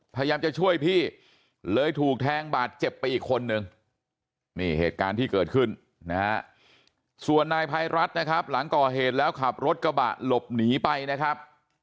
พยายามจะช่วยพี่เลยถูกแทงบาดเจ็บไปอีกคนนึงนี่เหตุการณ์ที่เกิดขึ้นนะฮะส่วนนายภัยรัฐนะครับหลังก่อเหตุแล้วขับรถกระบะหลบหนีไปนะครับ